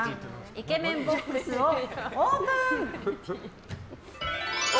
イケメンボックスをオープン！